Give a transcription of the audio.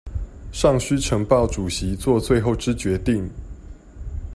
尚須呈報主席做最後之決定